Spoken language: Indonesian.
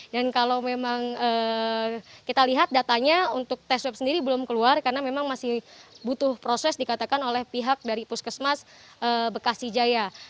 dan kalau memang kita lihat datanya untuk tes swab sendiri belum keluar karena memang masih butuh proses dikatakan oleh pihak dari puskesmas bekasi jaya